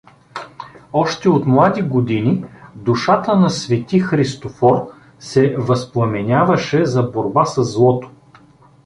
Още от млади години душата на свети Христофор се възпламеняваше за борба със злото.